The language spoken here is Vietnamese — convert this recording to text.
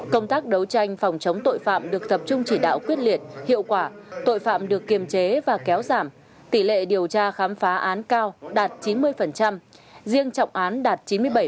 công tác đấu tranh phòng chống tội phạm được tập trung chỉ đạo quyết liệt hiệu quả tội phạm được kiềm chế và kéo giảm tỷ lệ điều tra khám phá án cao đạt chín mươi riêng trọng án đạt chín mươi bảy